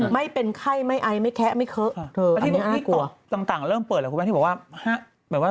ไม่เป็นไข้ไม่ไอไม่แข๊ะไม่เค้๊ะอันนี้น่ากลัว